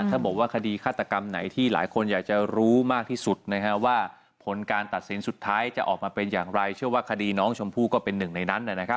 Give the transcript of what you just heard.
ถ้าบอกว่าคดีฆาตกรรมไหนที่หลายคนอยากจะรู้มากที่สุดว่าผลการตัดสินสุดท้ายจะออกมาเป็นอย่างไรเชื่อว่าคดีน้องชมพู่ก็เป็นหนึ่งในนั้น